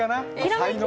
才能？